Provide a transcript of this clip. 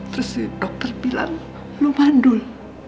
terus dokter bilang lu mandul